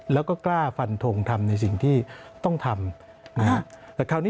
แล้วก็กล้าฟันทงทำในสิ่งที่ต้องทำนะฮะ